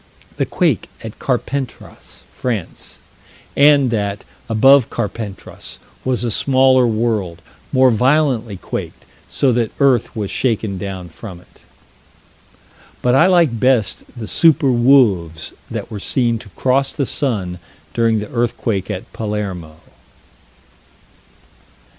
The quake at Carpentras, France: and that, above Carpentras, was a smaller world, more violently quaked, so that earth was shaken down from it. But I like best the super wolves that were seen to cross the sun during the earthquake at Palermo.